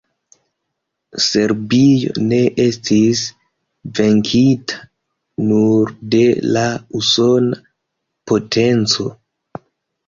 Serbio ne estis venkita nur de la usona potenco.